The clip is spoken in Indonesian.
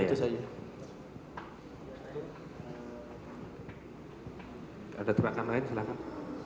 ada teman lain silahkan